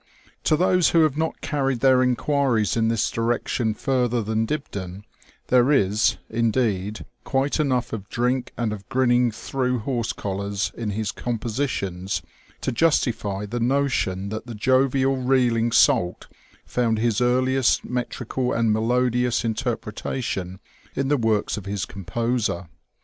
To those who have not carried their inquiries in this direction further than Dibdin, there is, indeed, quite enough of drink and of grinning through horse collars in his compositions to justify the notion that the jovial reeling salt found his earliest metrical and melodious interpretation in the works of his com poser.